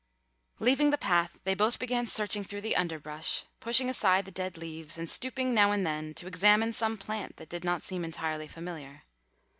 Leaving the path, they both began searching through the underbrush, pushing aside the dead leaves, and stooping now and then to examine some plant that did not seem entirely familiar.